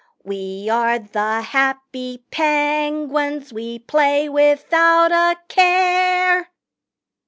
"We are the happy Penguins We play without a care